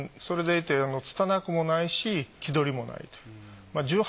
それでいてつたなくもないし気取りもないという。